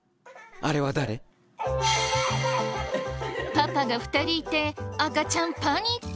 パパが２人いて赤ちゃんパニック！